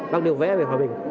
bắc đều vẽ về hòa bình